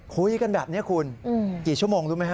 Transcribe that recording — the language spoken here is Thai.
คุยกันแบบนี้คุณกี่ชั่วโมงรู้ไหมฮ